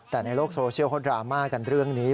แต่ในโลกโซเชียลเขาดราม่ากันเรื่องนี้